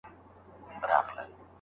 خلک ناوړه عرفونه پر ځان لازم نه ګڼي.